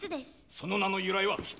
その名の由来は？